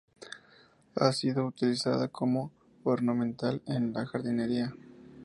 Ha sido utilizada como ornamental en jardinería.